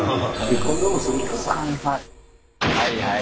「はいはい」。